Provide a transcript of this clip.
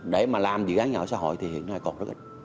để mà làm dự án nhà ở xã hội thì hiện nay còn rất ít